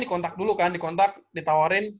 dikontak dulu kan dikontak ditawarin